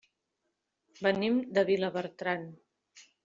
Venim de Vilabertran.